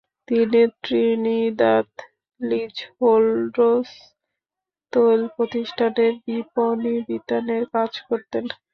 তিনি Trinidad leaseholds তৈল প্রতিষ্ঠানের বিপণীবিতানে কাজ করতেন।